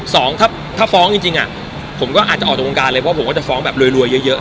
สองถ้าฟ้องจริงผมก็อาจจะออกจากวงการเลยเพราะผมก็จะฟ้องแบบรวยเยอะ